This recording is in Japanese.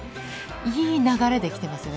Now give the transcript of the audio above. いい流れで来てますね。